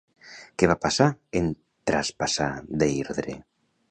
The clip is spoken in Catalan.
Què va passar en traspassar Deirdre?